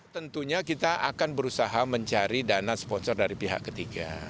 tentunya kita akan berusaha mencari dana sponsor dari pihak ketiga